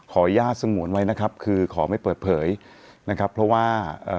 อนุญาตสงวนไว้นะครับคือขอไม่เปิดเผยนะครับเพราะว่าเอ่อ